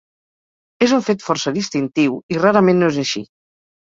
És un fet força distintiu i rarament no és així.